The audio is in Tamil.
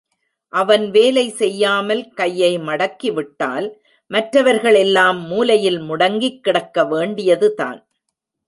அவன் வேலை செய்யாமல் கையை மடக்கிவிட்டால் மற்றவர்கள் எல்லாம் மூலையில் முடங்கிக் கிடக்க வேண்டியதுதான்.